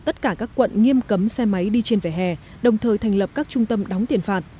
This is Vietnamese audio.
tất cả các quận nghiêm cấm xe máy đi trên vẻ hẹn đồng thời thành lập các trung tâm đóng tiền phạt